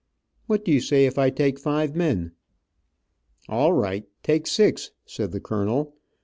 What do you say if I take five men!" "All right, take six," said the colonel.